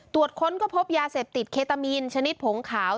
ค้นก็พบยาเสพติดเคตามีนชนิดผงขาว